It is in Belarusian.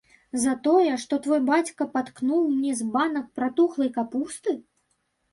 За тое, што твой бацька паткнуў мне збанок пратухлай капусты?